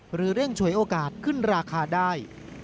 หรือเร่งฉวยโอกาสขึ้นราคาได้